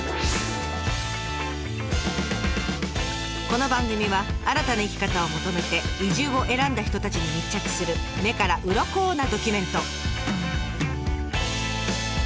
この番組は新たな生き方を求めて移住を選んだ人たちに密着する目からうろこなドキュメント。